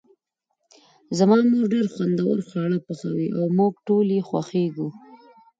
زما مور ډیر خوندور خواړه پخوي او موږ ټول یی خوښیږو